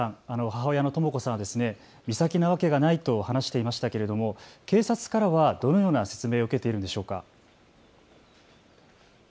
母親のとも子さんは美咲なわけがないと話していましたけれども警察からはどのような説明を受けているんでしょうか。